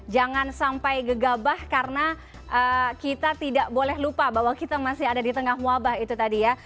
jangan sampai gegabah karena kita tidak boleh lupa bahwa kita masih ada di tengah wabah itu tadi ya